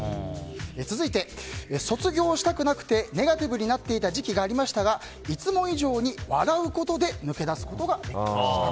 続いて、卒業したくなくてネガティブになっていた時期がありましたがいつも以上に笑うことで抜け出すことができました。